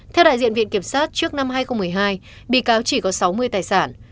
theo đại diện viện kiểm sát trước năm hai nghìn một mươi hai bị cáo chỉ có sáu mươi tài sản